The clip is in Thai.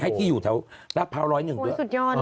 ให้ที่อยู่แถวราบภาวร้อยหนึ่งด้วย